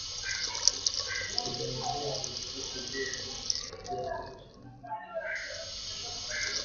viatamin A na virutubisho v ingine vya kiazi lishe ni muhimu kwa mwili